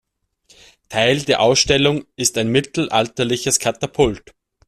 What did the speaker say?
Teil der Ausstellung ist ein mittelalterliches Katapult.